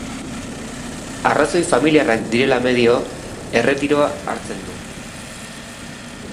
Arrazoi familiarrak direla medio, erretiroa hartzen du.